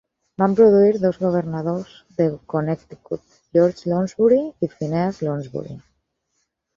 Van produir dos governadors de Connecticut, George Lounsbury i Phineas Lounsbury.